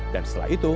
dan setelah itu